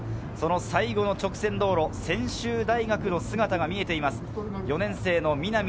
最後の直線道路、専修大学の姿が見えています。